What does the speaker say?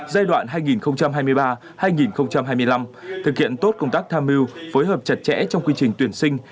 giai đoạn hai nghìn hai mươi ba hai nghìn hai mươi năm thực hiện tốt công tác tham mưu phối hợp chặt chẽ trong quy trình tuyển sinh